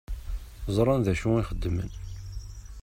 Ẓṛan dacu i xeddmen.